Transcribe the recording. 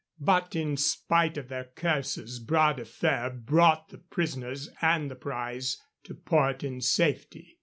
But, in spite of their curses, Bras de Fer brought the prisoners and the prize to port in safety.